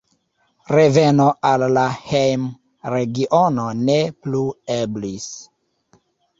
Reveno al la hejm-regiono ne plu eblis.